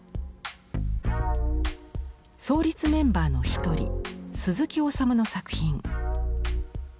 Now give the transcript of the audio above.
創立メンバーのひとり鈴木治の作品。